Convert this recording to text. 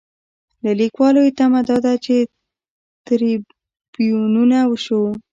له لیکوالو یې تمه دا ده تریبیونونه شو.